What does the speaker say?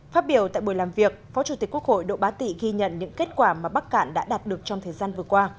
phát biểu tại buổi làm việc phó chủ tịch quốc hội độ bá tị ghi nhận những kết quả mà bắc cạn đã đạt được trong thời gian vừa qua